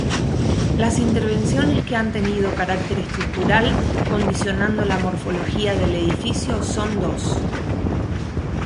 Las intervenciones que han tenido carácter estructural, condicionando la morfología del edificio son dos.